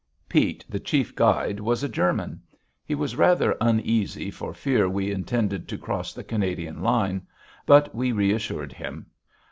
Pete, the chief guide, was a German. He was rather uneasy for fear we intended to cross the Canadian line. But we reassured him.